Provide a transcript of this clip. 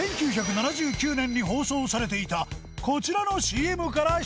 １９７９年に放送されていたこちらの ＣＭ から出題